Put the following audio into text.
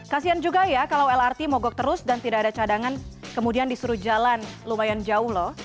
kasian juga ya kalau lrt mogok terus dan tidak ada cadangan kemudian disuruh jalan lumayan jauh loh